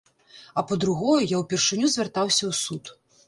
А па-другое, я ўпершыню звяртаўся ў суд.